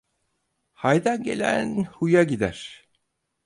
Haydan gelen huya gider.